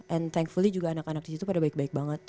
and thankfully juga anak anak di situ pada baik baik banget